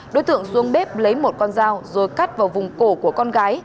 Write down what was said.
đối tượng xuống bếp lấy một con dao rồi cắt vào vùng cổ của con gái